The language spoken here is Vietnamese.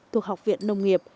thuộc học viện nông nghiệp